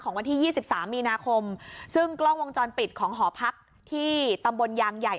วันที่๒๓มีนาคมซึ่งกล้องวงจรปิดของหอพักที่ตำบลยางใหญ่